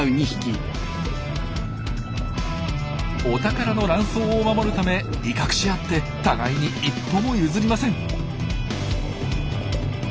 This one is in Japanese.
お宝のラン藻を守るため威嚇し合って互いに一歩も譲りません。